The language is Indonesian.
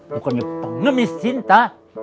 bukannya pengemis cinta